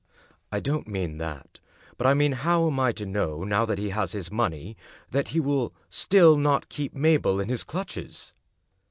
" I don't mean that. But I mean how am I to know, now that he has his money, that he will still not keep Mabel in his clutches?"